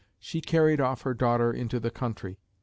She carried off her daughter into the country.